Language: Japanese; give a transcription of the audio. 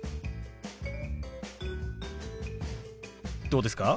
どうですか？